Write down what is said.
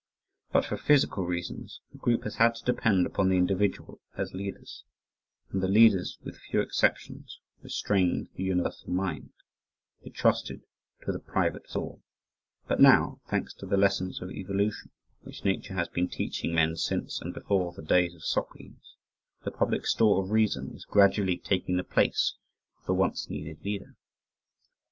But for physical reasons, the group has had to depend upon the individual as leaders, and the leaders with few exceptions restrained the universal mind they trusted to the "private store," but now, thanks to the lessons of evolution, which Nature has been teaching men since and before the days of Socrates, the public store of reason is gradually taking the place of the once needed leader.